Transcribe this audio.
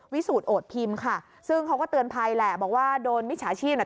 สูจนโอดพิมพ์ค่ะซึ่งเขาก็เตือนภัยแหละบอกว่าโดนมิจฉาชีพอ่ะ